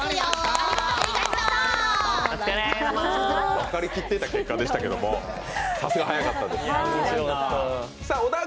分かりきってた結果でしたけれどもさすが速かったです。